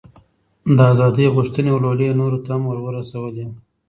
د ازادۍ غوښتنې ولولې یې نورو ته هم ور ورسولې.